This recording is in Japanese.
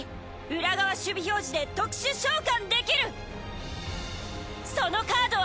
裏側守備表示で特殊召喚！